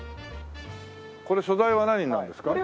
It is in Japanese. これ素材は何になるんですか？